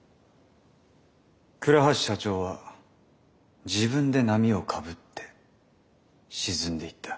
倉橋社長は自分で波をかぶって沈んでいった。